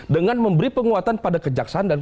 dengan memberi penguatan pada kejaksaan dan